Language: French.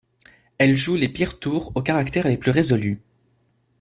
Elle joue les pires tours aux caractères les plus résolus.